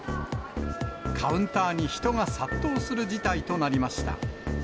カウンターに人が殺到する事態となりました。